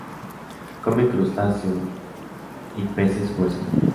Come crustáceo s y peces hueso.